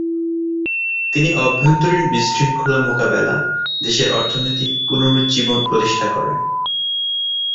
তিনি অভ্যন্তরীণ বিশৃঙ্খলা মোকাবেলা, দেশের অর্থনৈতিক পুনরুজ্জীবন প্রতিষ্ঠা করেন।